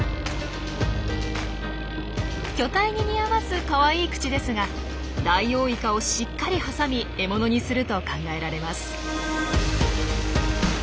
巨体に似合わずかわいい口ですがダイオウイカをしっかり挟み獲物にすると考えられます。